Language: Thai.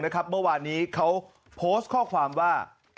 เมื่อวานนี้เขาโพสต์ข้อความว่า